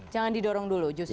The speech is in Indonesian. jangan didorong dulu justru